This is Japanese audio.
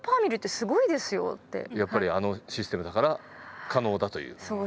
やっぱりあのシステムだから可能だという。